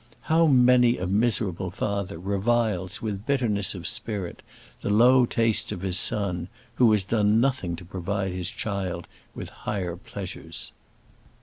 How many a miserable father reviles with bitterness of spirit the low tastes of his son, who has done nothing to provide his child with higher pleasures!